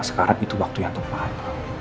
sekarang itu waktu yang tepat